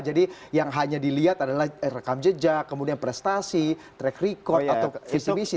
jadi yang hanya dilihat adalah rekam jejak kemudian prestasi track record atau visi visi